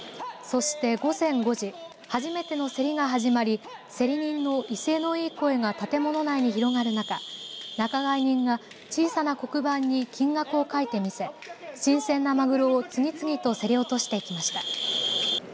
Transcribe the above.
そして午前５時初めての競りが始まり競り人の威勢のいい声が建物内に広がる中仲買人が小さな黒板に金額を書いて見せ新鮮なまぐろを次々と競り落としていきました。